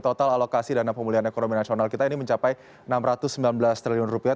total alokasi dana pemulihan ekonomi nasional kita ini mencapai enam ratus sembilan belas triliun rupiah